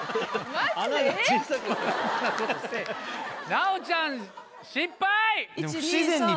奈央ちゃん失敗！